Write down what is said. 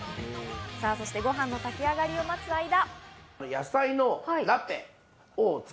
さぁ、そしてご飯の炊き上がりを待つ間。